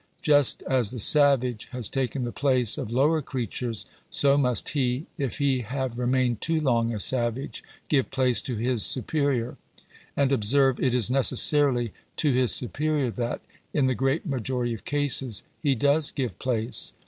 Just as the savage has taken the place of lower creatures, so must he, if he have remained too long a savage, give place to bis superior. And, observe, it is necessarily to his superior that, in the great majority of cases, he does give place.